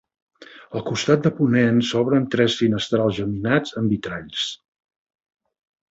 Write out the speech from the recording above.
Al costat de ponent s'obren tres finestrals geminats amb vitralls.